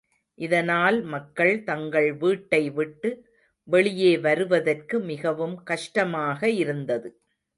இதனால் மக்கள் தங்கள் வீட்டை விட்டு வெளியே வருவதற்கு மிகவும் கஷ்டமாக இருந்தது.